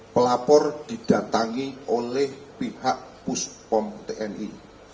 pelapor didatangi oleh pihak puspom tni